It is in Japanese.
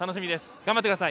頑張ってください。